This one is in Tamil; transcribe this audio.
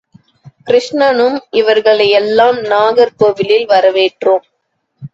கிருஷ்ணனும் இவர்களை எல்லாம் நாகர் கோவிலில் வரவேற்றோம்.